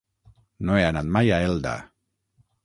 No he anat mai a Elda.